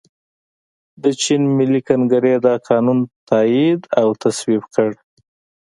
د چین ملي کنګرې دا قانون تائید او تصویب کړ.